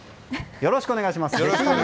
よろしくお願いします。